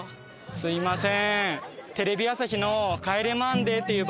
すみません。